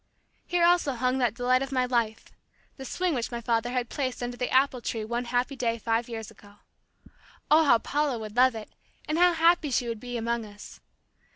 Here also hung that delight of my life the swing which my father had placed under the apple tree one happy day five years ago. Oh, how Paula would love it, and how happy she would be among us!